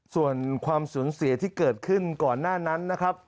ส่วนความสูญเสียที่เกิดขึ้นก่อนหน้านั้นนะครับ